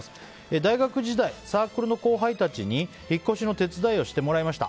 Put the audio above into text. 大学時代、サークルの後輩たちに引越しの手伝いをしてもらいました。